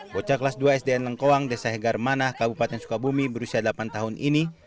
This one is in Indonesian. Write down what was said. bocah kelas dua sdn lengkoang desa hegar manah kabupaten sukabumi berusia delapan tahun ini